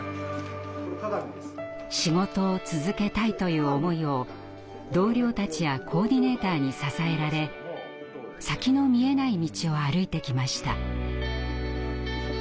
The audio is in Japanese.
「仕事を続けたい」という思いを同僚たちやコーディネーターに支えられ先の見えない道を歩いてきました。